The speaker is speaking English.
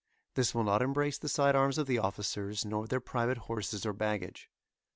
This will not embrace the side arms of the officers, nor their private horses, or baggage.